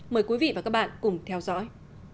mời quý vị và các bạn cùng theo dõi